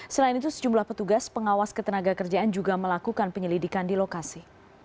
selain itu sejumlah petugas pengawas ketenaga kerjaan juga melakukan penyelidikan di lokasi